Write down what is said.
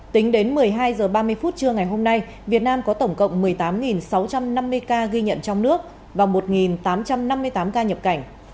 tính đến một mươi hai h ba mươi phút trưa ngày hôm nay việt nam có tổng cộng một mươi tám sáu trăm năm mươi ca ghi nhận trong nước và một tám trăm năm mươi tám ca nhập cảnh